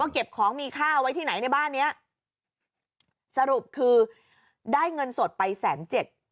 เก็บของมีค่าไว้ที่ไหนในบ้านเนี้ยสรุปคือได้เงินสดไปแสนเจ็ด